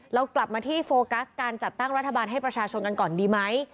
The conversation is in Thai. เรากลับมาที่โฟกัสการจัดตั้งรัฐบาลให้ประชาชนกันก่อนดีไหม